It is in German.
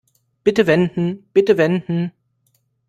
Bitte wenden, bitte wenden.